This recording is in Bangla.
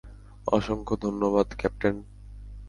অসংখ্য ধন্যবাদ, ক্যাপ্টেন!